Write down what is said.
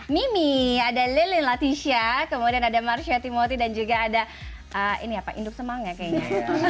mimi ada leline latisha kemudian ada marcia timoti dan juga ada induk semangat kayaknya